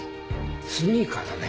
スニーカーだね。